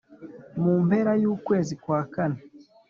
Mu mpera y'ukwezi kwa kane